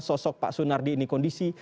sosok pak sunardi ini kondisi